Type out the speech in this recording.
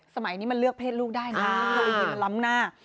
สมัยนี้มันเลือกเพศลูกได้นะมันล้ำหน้า